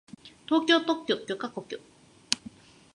東京特許許可局